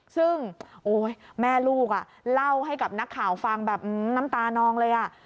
ซึ่งแม่ลูกเล่าให้กับนักข่าวฟังแบบน้ำตานองเลยอ่ะ